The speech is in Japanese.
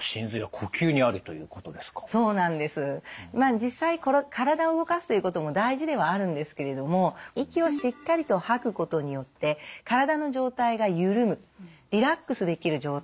実際体を動かすということも大事ではあるんですけれども息をしっかりと吐くことによって体の状態が緩むリラックスできる状態